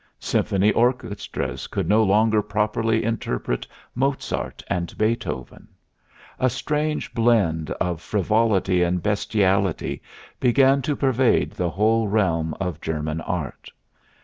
Symphony orchestras could no longer properly interpret Mozart and Beethoven. A strange blend of frivolity and bestiality began to pervade the whole realm of German art.